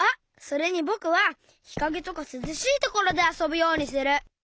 それにぼくはひかげとかすずしいところであそぶようにする。